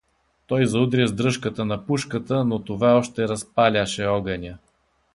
Той заудря с дръжката на пушката, но това още разпаляше огъня.